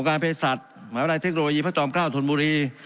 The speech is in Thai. องค์การเภสัตริย์หมายว่าไลน์เทคโนโลยีพระจอมเกล้าส่วนบุรี